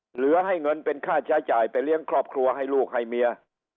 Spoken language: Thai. เหลือให้เงินเป็นค่าใช้จ่ายไปเลี้ยงครอบครัวให้ลูกให้เมีย